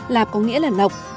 lạp có nghĩa là lọc